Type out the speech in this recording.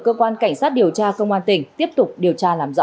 cơ quan cảnh sát điều tra công an tỉnh tiếp tục điều tra làm rõ